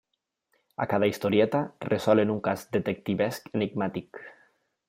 A cada historieta resolen un cas detectivesc enigmàtic.